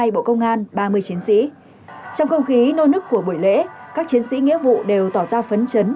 bộ công an ba mươi chiến sĩ trong không khí nô nức của buổi lễ các chiến sĩ nghĩa vụ đều tỏ ra phấn chấn